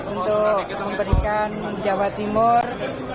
untuk memberikan jawa timur